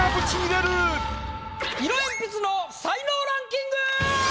色鉛筆の才能ランキング！